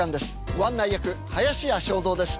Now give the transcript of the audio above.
ご案内役林家正蔵です。